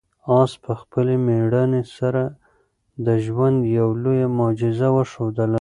آس په خپلې مېړانې سره د ژوند یوه لویه معجزه وښودله.